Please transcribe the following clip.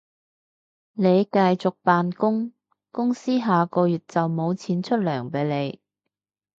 你繼續扮工，公司下個月就無錢出糧畀你